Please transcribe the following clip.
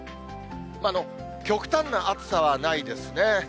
極端な暑さはないですね。